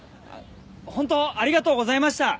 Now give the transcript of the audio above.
ホントありがとうございました。